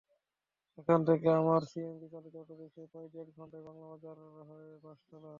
সেখান থেকে আবার সিএনজিচালিত অটোরিকশায় প্রায় দেড় ঘণ্টায় বাংলাবাজার হয়ে বাঁশতলা।